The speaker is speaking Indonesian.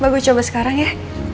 bagus coba sekarang ya